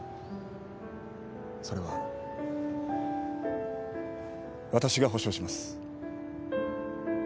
それはわたしが保証します。